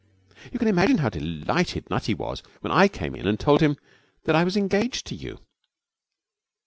'You can imagine how delighted Nutty was when I came in and told him that I was engaged to you.